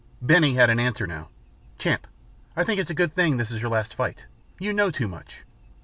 Benny had an answer now. "Champ, I think it's a good thing this is your last fight. You know too much.